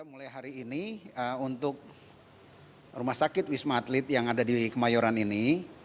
mulai hari ini untuk rumah sakit wisma atlet yang ada di kemayoran ini